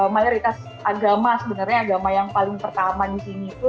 mayoritas agama sebenarnya agama yang paling pertama di sini itu